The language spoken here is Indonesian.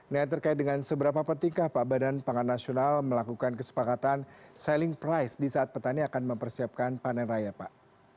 nah terkait dengan seberapa pentingkah pak badan pangan nasional melakukan kesepakatan selling price di saat petani akan mempersiapkan panen raya pak